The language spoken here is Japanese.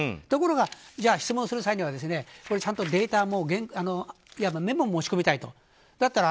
ところが質問する際にはちゃんとデータもメモも仕込みたいと。